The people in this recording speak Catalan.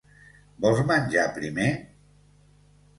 Vols menjar primer?